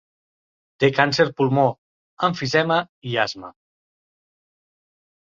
Té càncer pulmó, emfisema i asma.